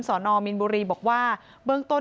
สรบินบุรีบอกว่าเบื้องต้น